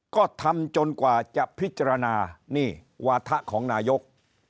ก็ทำจนกว่าจะพิจารณานี่วาถะของนายก